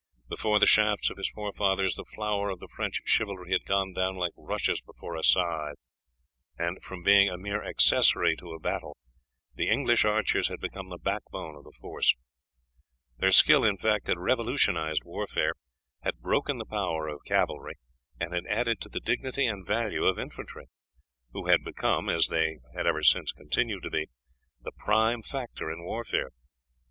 Before the shafts of his forefathers the flower of the French chivalry had gone down like rushes before a scythe, and from being a mere accessory to a battle the English archers had become the backbone of the force. Their skill, in fact, had revolutionized warfare, had broken the power of cavalry, and had added to the dignity and value of infantry, who had become, as they have ever since continued to be, the prime factor in warfare.